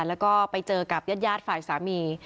แล้วก็ไปเจอกับญาติฝ่ายสามี